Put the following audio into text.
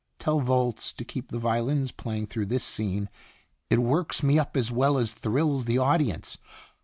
Tell Volz to keep the violins playing through this scene, it works me up as well as thrills the audience.